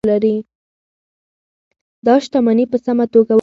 دا شتمني په سمه توګه وکاروئ.